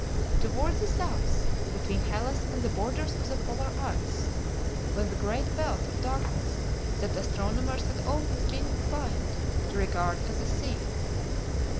Toward the south, between Hellas and the borders of the polar ice, was a great belt of darkness that astronomers had always been inclined to regard as a sea.